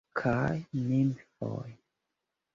kaj nimfoj.